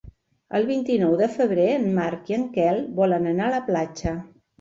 El vint-i-nou de febrer en Marc i en Quel volen anar a la platja.